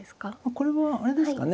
これはあれですかね